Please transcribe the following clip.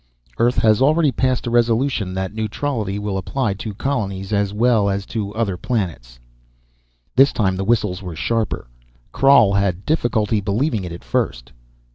"Earth has already passed a resolution that neutrality will apply to colonies as well as to other planets!" This time the whistles were sharper. Krhal had difficulty believing it at first.